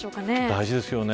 大事ですよね。